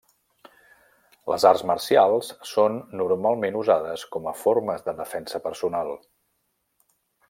Les arts marcials són normalment usades com a formes de defensa personal.